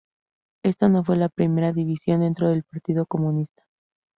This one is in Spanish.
Esta no fue la primera división dentro del Partido Comunista.